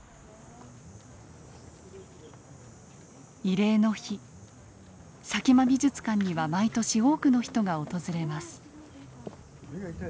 慰霊の日佐喜眞美術館には毎年多くの人が訪れます。